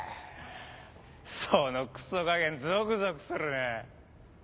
そのクソ加減ゾクゾクするねぇ。